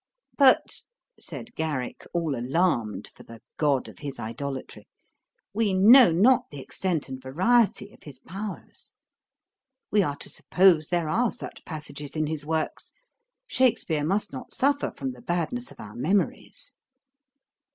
'But, (said Garrick, all alarmed for the "God of his idolatry,") we know not the extent and variety of his powers.' 'We are to suppose there are such passages in his works. Shakspeare must not suffer from the badness of our memories.'